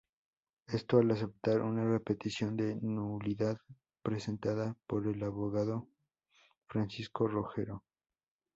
Esto, al aceptar una petición de nulidad presentada por el abogado Francisco Roggero.